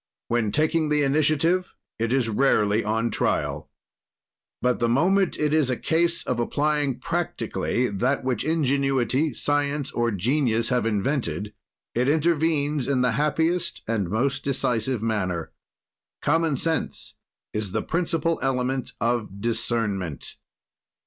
"When taking the initiative it is rarely on trial. "But the moment it is a case of applying practically that which ingenuity, science or genius have invented, it intervenes in the happiest and most decisive manner. "Common sense is the principle element of discernment.